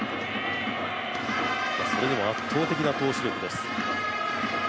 それでも圧倒的な投手力です。